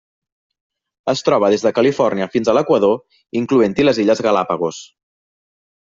Es troba des de Califòrnia fins a l'Equador, incloent-hi les Illes Galápagos.